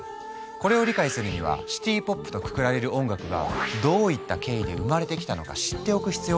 これを理解するにはシティ・ポップとくくられる音楽がどういった経緯で生まれてきたのか知っておく必要がある。